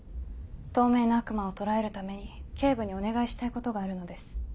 透明な悪魔を捕らえるために警部にお願いしたいことがあるのです。